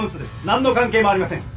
何の関係もありません。